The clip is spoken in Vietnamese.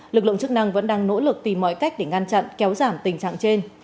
lực lượng chức năng vẫn đang nỗ lực tìm mọi cách để ngăn chặn kéo giảm tình trạng trên